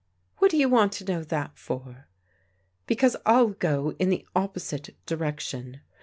" What do you want to know that for? "" Because I'll go in the opposite direction."